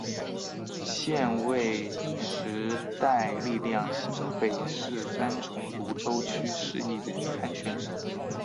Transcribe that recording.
现为时代力量新北市三重芦洲区市议员参选人。